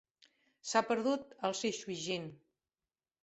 S'ha perdut el "Xisui Jing".